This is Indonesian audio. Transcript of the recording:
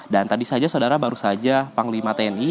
dan tadi saja saudara baru saja panglima tni